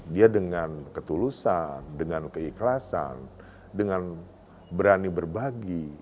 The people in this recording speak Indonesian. dia dengan ketulusan dengan keikhlasan dengan berani berbagi